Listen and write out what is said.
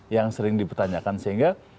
yang sering dipertanyakan sehingga